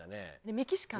メキシカン？